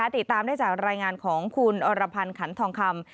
ติดตามได้จากรายงานของคุณอรพันธ์ขันทองคำ